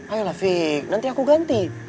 ayo lah fik nanti aku ganti